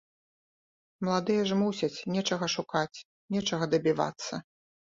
Маладыя ж мусяць нечага шукаць, нечага дабівацца.